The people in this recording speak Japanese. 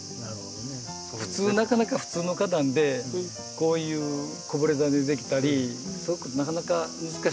普通なかなか普通の花壇でこういうこぼれ種でできたりすごくなかなか難しくて。